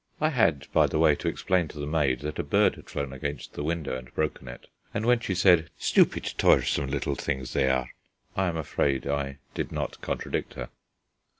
I had, by the way, to explain to the maid that a bird had flown against the window and broken it, and when she said "Stupid, tiresome little things they are," I am afraid I did not contradict her.